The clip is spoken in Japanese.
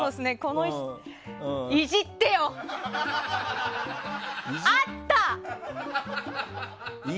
いじってよ！あった！